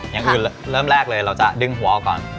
อย่างอื่นเริ่มแรกเลยเราจะดึงหัวออกก่อน